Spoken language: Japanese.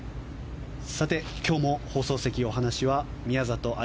今日も放送席、お話は宮里藍